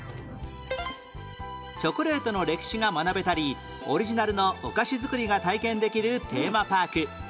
チョコレートの歴史が学べたりオリジナルのお菓子作りが体験できるテーマパーク